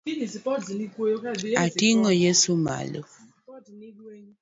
Atingo Yeso malo.